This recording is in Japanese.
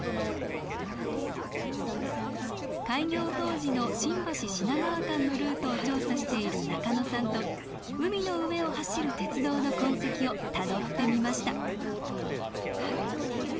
開業当時の新橋品川間のルートを調査している中野さんと海の上を走る鉄道の痕跡をたどってみましたいわゆる海上築堤っていうんですけれども。